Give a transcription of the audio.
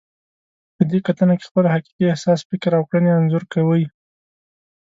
په دې کتنه کې خپل حقیقي احساس، فکر او کړنې انځور کوئ.